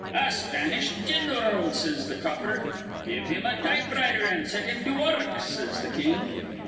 'A Spanish gin'ral,' says th' copper. 'Give him a typewriter an' set him to wurruk,' says th' king.